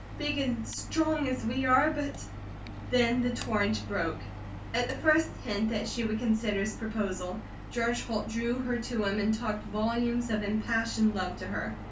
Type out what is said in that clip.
"Big and strong as we are, but " Then the torrent broke. At the first hint that she would consider his proposal George Holt drew her to him and talked volumes of impassioned love to her.